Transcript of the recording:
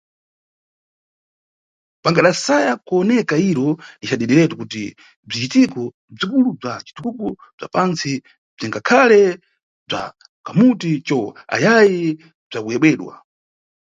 Pangadasaya kuwoneka iro, ni cadidiretu, kuti bzicitiko bzikulu bza citukuko bza pantsi bzingadakhale bza kamuti cho ayayi bzakuyebwedwa.